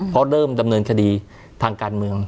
เพราะเริ่มดำเนินคดีทางการเมือง